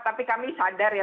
tapi kami sadar ya